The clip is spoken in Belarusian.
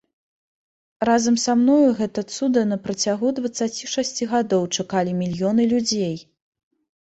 Разам са мною гэта цуда напрацягу дваццаці шасці гадоў чакалі мільёны людзей!